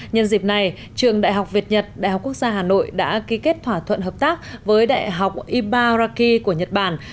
nhân dịp này trường đại học việt nhật đại học quốc gia hà nội đã ký kết thỏa thuận hợp tác với đại học ibaraki của nhật bản